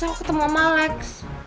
terus aku ketemu om alex